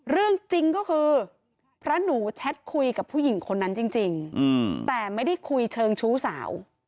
เรื่องจริงก็คือพระหนูแชทคุยกับผู้หญิงคนนั้นจริงแต่ไม่ได้คุยเชิงชู้สาว